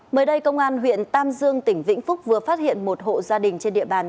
mới đây công an huyện tam dương tỉnh vĩnh phúc vừa phát hiện một hộ gia đình trên địa bàn